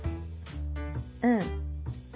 うん。